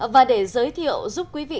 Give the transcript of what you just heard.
vậy áp về áo dài